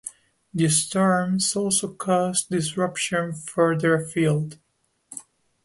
The storms also caused disruption further afield.